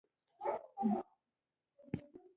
نظار شورا او شمال ټلواله د دین او ملت مخالف وو